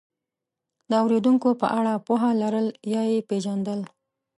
د اورېدونکو په اړه پوهه لرل یا یې پېژندل،